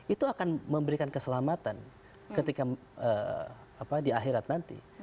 itu akan memberikan keselamatan ketika di akhirat nanti